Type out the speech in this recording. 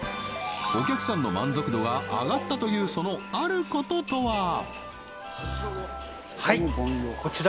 お客さんの満足度が上がったというそのあることとは？